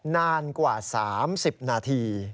นานกว่า๓๐นาที